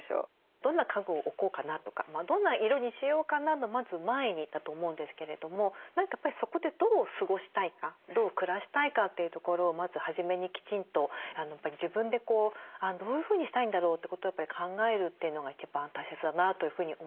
どんな家具を置こうかな？とかどんな色にしようかな？のまず前にだと思うんですけれどもやっぱりそこでどう過ごしたいかどう暮らしたいかというところをまず初めにきちんと自分でどういうふうにしたいんだろうってことを考えるというのが一番大切だなというふうに思います。